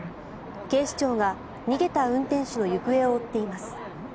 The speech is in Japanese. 警視庁が逃げた運転手の行方を追っています。